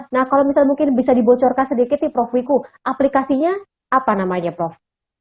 nah kalau misalnya mungkin bisa dibocorkan sedikit nih prof wiku aplikasinya apa namanya prof